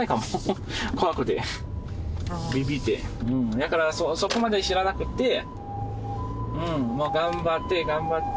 だからそこまで知らなくって頑張って頑張って。